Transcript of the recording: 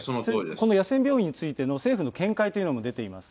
この野戦病院についての政府の見解というのも出ています。